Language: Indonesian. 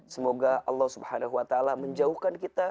semoga allah swt menjauhkan kita